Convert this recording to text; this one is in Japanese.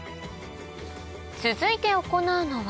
続いて行うのは